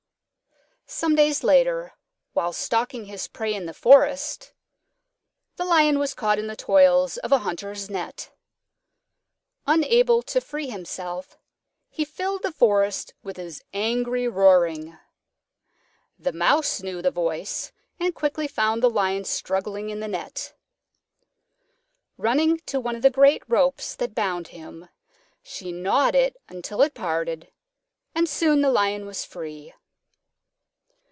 Some days later, while stalking his prey in the forest, the Lion was caught in the toils of a hunter's net. Unable to free himself, he filled the forest with his angry roaring. The Mouse knew the voice and quickly found the Lion struggling in the net. Running to one of the great ropes that bound him, she gnawed it until it parted, and soon the Lion was free.